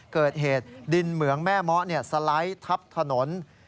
เกิดเหตุดินเหมืองแม่เมาะสไลด์ทับถนน